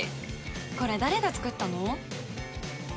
これ誰が作ったの？